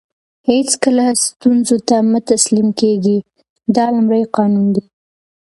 هیڅکله ستونزو ته مه تسلیم کېږئ دا لومړی قانون دی.